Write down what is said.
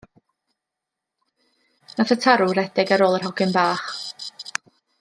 Nath y tarw redeg ar ôl yr hogyn bach.